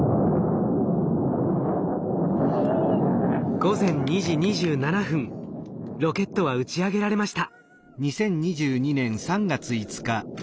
午前２時２７分ロケットは打ち上げられました。